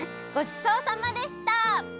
ごちそうさまでした！